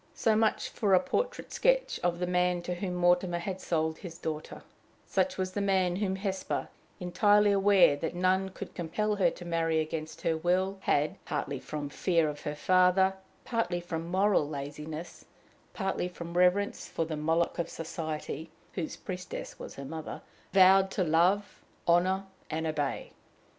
So much for a portrait sketch of the man to whom Mortimer had sold his daughter such was the man whom Hesper, entirely aware that none could compel her to marry against her will, had, partly from fear of her father, partly from moral laziness, partly from reverence for the Moloch of society, whose priestess was her mother, vowed to love, honor, and obey!